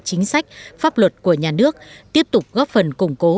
chính sách pháp luật của nhà nước tiếp tục góp phần củng cố